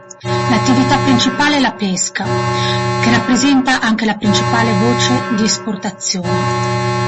L'attività principale è la pesca, che rappresenta anche la principale voce di esportazione.